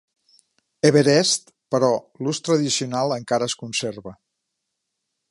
Everest, però l'ús tradicional encara es conserva.